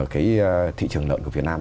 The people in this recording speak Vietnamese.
cái thị trường lợn của việt nam